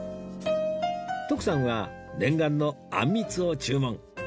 徳さんは念願のあんみつを注文